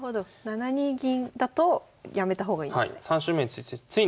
７二銀だとやめた方がいいんですね。